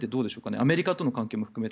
アメリカとの関係も含めて。